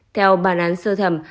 theo bản án sơ thẩm